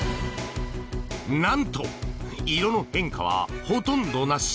なんと、色の変化はほとんどなし！